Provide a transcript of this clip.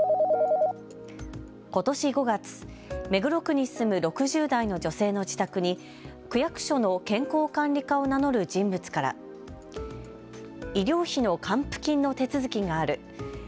ことし５月、目黒区に住む６０代の女性の自宅に区役所の健康管理課を名乗る人物から医療費の還付金の手続きがある。